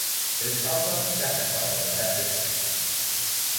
It is sometimes classified as a fatty acid.